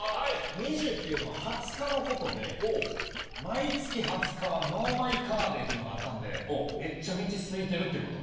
ニジュウっていうのは２０日のことで「毎月２０日はノーマイカーデー」っていうのがあったんでめっちゃ道空いてるってこと。